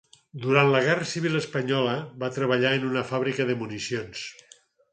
Durant la guerra civil espanyola va treballar en una fàbrica de municions.